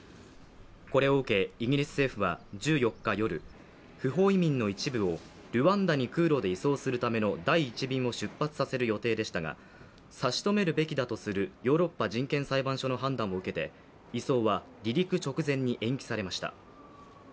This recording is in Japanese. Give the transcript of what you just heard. これを受けイギリス政府は１４日夜不法移民の一部をルワンダに空路で移送させるための第１便を出発させる予定でしたが、差し止めるべきだとするヨーロッパ人権裁判所の判断を受けて移送は離陸直前に延期されました。